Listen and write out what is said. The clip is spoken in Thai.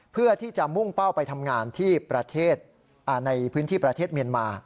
เพื่อที่จะมุ่งเป้าไปทำงานที่ประเทศในพื้นที่ประเทศเมียนมา